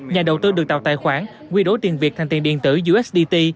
nhà đầu tư được tạo tài khoản quy đổi tiền việt thành tiền điện tử usdt